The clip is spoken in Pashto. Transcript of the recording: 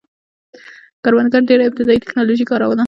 کروندګرو ډېره ابتدايي ټکنالوژي کاروله